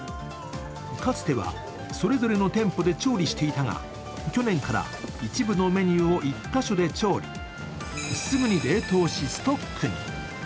かつてはそれぞれの店舗で調理していたが、去年から一部のメニューを１カ所で調理、